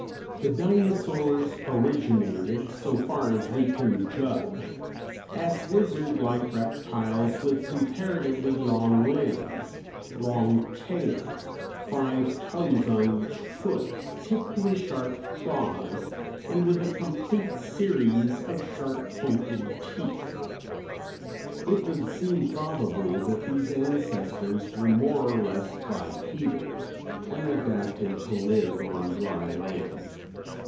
The Dinosaurs originated, so far as we can judge, as lizard like reptiles with comparatively long limbs, long tails, five toes on each foot, tipped with sharp claws, and with a complete series of sharp pointed teeth. It would seem probable that these ancestors were more or less bipedal, and adapted to live on dry land.